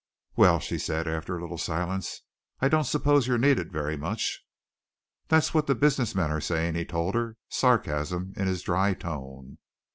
"Well," she said, after a little silence, "I don't suppose you're needed very much." "That's what the business men are saying," he told her, sarcasm in his dry tone.